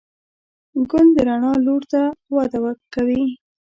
ګل د رڼا لور ته وده کوي.